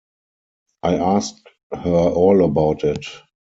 I asked her all about it.